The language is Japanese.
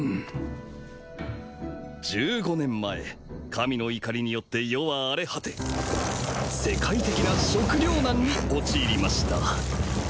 １５年前神の怒りによって世は荒れ果て世界的な食糧難に陥りました。